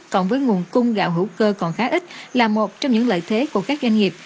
còn với nguồn cung gạo hữu cơ còn khá ít là một trong những lợi thế của các doanh nghiệp